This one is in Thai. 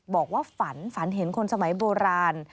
บอกว่าฝันฝันเห็นคนสมัยโบราณ